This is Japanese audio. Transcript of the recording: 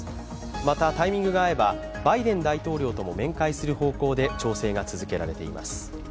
また、タイミングが合えばバイデン大統領とも面会する方向で調整が続けられています。